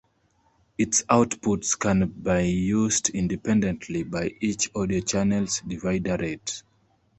Its outputs can by used independently by each audio channels' divider rate.